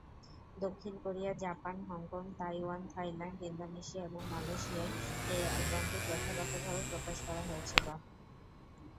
দক্ষিণ Korea, Japan, Hong Kong, Taiwan, Thailand, Indonesia এবং মালয়েশিয়ায় এই অ্যালবামটি প্রথাগতভাবে প্রকাশ করা হয়েছিল।